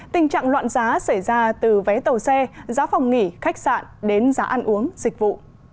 tình trạng loạn giá xảy ra từ vé tàu xe giá phòng nghỉ khách sạn đến giá ăn uống dịch vụ